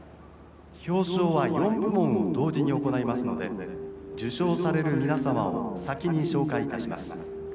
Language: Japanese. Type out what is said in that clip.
表彰は４部門を同時に行いますので受賞される皆様を先に紹介いたします。